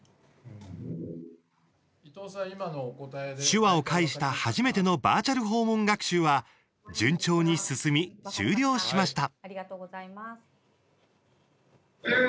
手話を介した初めてのバーチャル訪問学習は順調に進み終了しました。